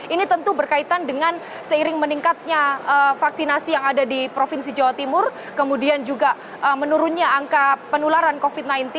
ini tentu berkaitan dengan seiring meningkatnya vaksinasi yang ada di provinsi jawa timur kemudian juga menurunnya angka penularan covid sembilan belas